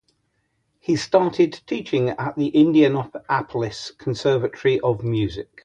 He started teaching at the Indianapolis Conservatory of Music.